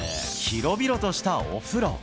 広々としたお風呂。